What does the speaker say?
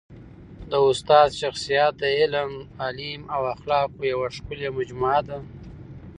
د استاد شخصیت د علم، حلم او اخلاقو یوه ښکلي مجموعه ده.